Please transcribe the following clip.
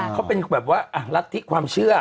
เขาเป็นแบบว่ารัฐธิความเชื่อ